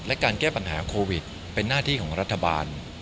และการแก้ปัญหาโควิดเป็นหน้าที่ของรัฐบาล